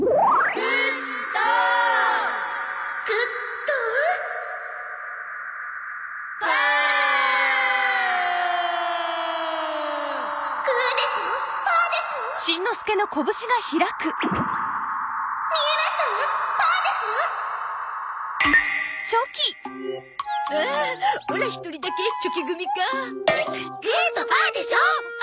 グーとパーでしょ！